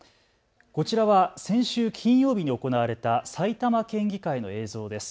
こちらは先週金曜日に行われた埼玉県議会の映像です。